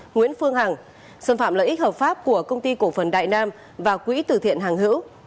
nguyễn phương hằng xâm phạm lợi ích hợp pháp của công ty cổ phần đại nam và quỹ tử thiện hàng hữu